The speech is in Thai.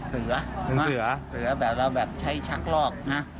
เสือเสือแบบเราแบบใช้ชักลอกนะ